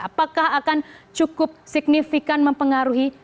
apakah akan cukup signifikan mempengaruhi